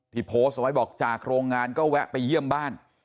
โพสต์เอาไว้บอกจากโรงงานก็แวะไปเยี่ยมบ้าน